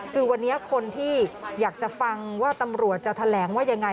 คือวันนี้คนที่อยากจะฟังว่าตำรวจจะแถลงว่ายังไง